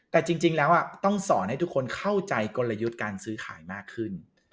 แต่จริงแล้วต้องสอนให้ทุกคนเข้าใจกลยุทธ์การซื้อขายมากขึ้น